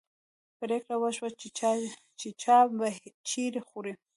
پرېکړه وشوه چې چای به چیرې خورو.